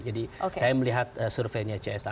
jadi saya melihat surveinya csap